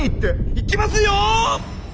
いきますよ！